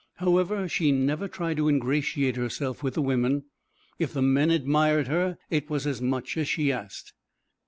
However, she never tried to ingratiate herself with the women: if the men admired her it was as much as she asked.